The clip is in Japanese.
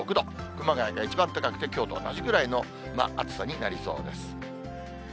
熊谷が一番高くて、きょうと同じくらいの暑さになりそうです。